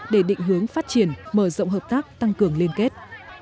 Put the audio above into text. để định hướng phát triển mở rộng hợp tác tăng cường liên kết